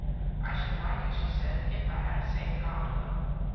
"I should like it," she said, "if I had a safe gondola."